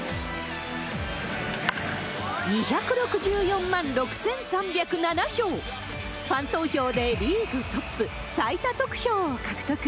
２６４万６３０７票、ファン投票でリーグトップ、最多得票を獲得。